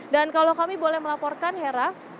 dan kalau kami boleh melaporkan hera